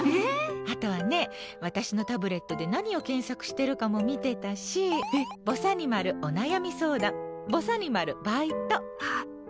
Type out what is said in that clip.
あとは、私のタブレットで何を検索してるかも見てたしぼさにまる、お悩み相談ぼさにまる、バイト。